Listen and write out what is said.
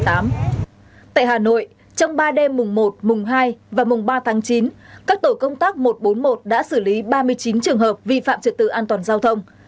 tại hà nội trong ba đêm mùng một mùng hai và mùng ba tháng chín các tổ công tác một trăm bốn mươi một đã xử lý ba mươi chín trường hợp vi phạm trật tự an toàn giao thông